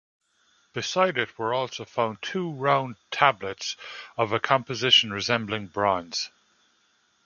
Beside it were also found two round tablets, of a composition resembling bronze.